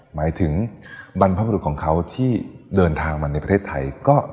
หมายถึงบรรพบรุษของเขาที่เดินทางมาในประเทศไทย